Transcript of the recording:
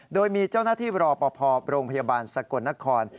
โดยมีเจ้าหน้าที่รอปภโรงพยาบาลสกลนคร